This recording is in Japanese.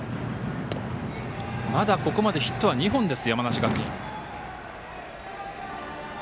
まだ、ここまでヒットは２本です。